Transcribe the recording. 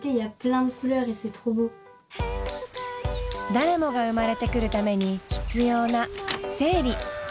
誰もが生まれてくるために必要な生理。